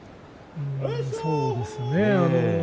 そうですね。